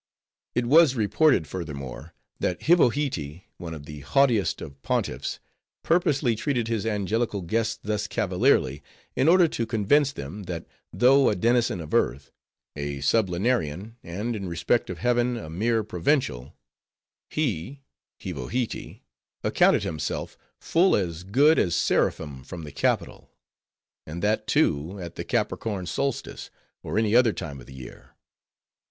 It was reported, furthermore, that Hivohitee, one of the haughtiest of Pontiffs, purposely treated his angelical guests thus cavalierly; in order to convince them, that though a denizen of earth; a sublunarian; and in respect of heaven, a mere provincial; he (Hivohitee) accounted himself full as good as seraphim from the capital; and that too at the Capricorn Solstice, or any other time of the year.